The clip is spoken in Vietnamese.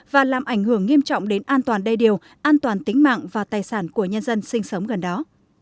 và làm ảnh hưởng nghiêm trọng đến an toàn đê điều an toàn tính mạng và tài sản của nhân dân sinh sống gần đó